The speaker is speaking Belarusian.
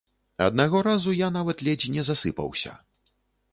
Аднаго разу я нават ледзь не засыпаўся.